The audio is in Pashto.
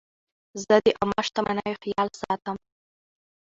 زه د عامه شتمنیو خیال ساتم.